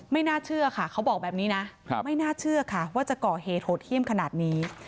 ไม่น่าเชื่อค่ะเขาบอกแบบนี้นะไม่น่าเชื่อค่ะว่าจะก่อเหตุโหดเยี่ยมขนาดนี้